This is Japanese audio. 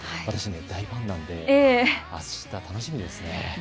私、大ファンなので、あした楽しみです。